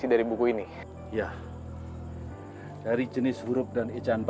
indinya buku ini secara detil menguraikan